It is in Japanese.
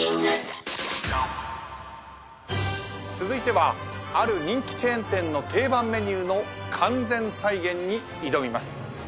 続いてはある人気チェーン店の定番メニューの完全再現に挑みます。